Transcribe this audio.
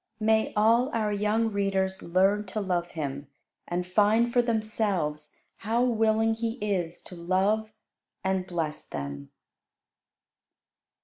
May all our young readers learn to love Him, and find for themselves how willing He is to love and bless them.